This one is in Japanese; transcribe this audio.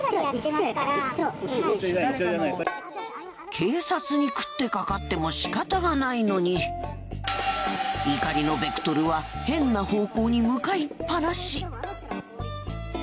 警察に食ってかかってもしかたがないのに怒りのベクトルは変な方向に向かいっぱなし。